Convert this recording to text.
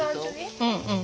うんうん。